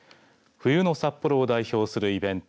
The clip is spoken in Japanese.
冬の札幌を代表するイベント